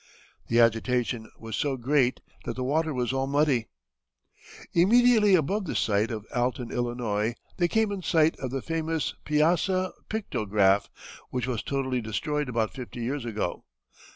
The agitation was so great that the water was all muddy." Immediately above the site of Alton, Ill., they came in sight of the famous Piasa pictograph, which was totally destroyed about fifty years ago.